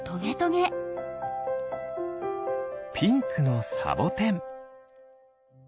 ピンクのサボテン。